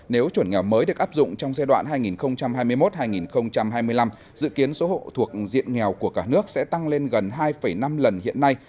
nếu chuẩn nghèo mới được áp dụng trong giai đoạn hai nghìn hai mươi một hai nghìn hai mươi năm dự kiến số hộ thuộc diện nghèo của cả nước sẽ tăng lên gần hai năm lần hiện nay